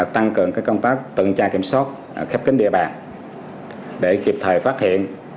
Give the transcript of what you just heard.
tăng cường công tác tuần tra kiểm soát khép kính địa bàn để kịp thời phát hiện